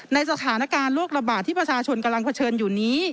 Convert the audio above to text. ในสถานการณ์โรคระบาดที่ประชาชนกำลังเผชิญอยู่นี้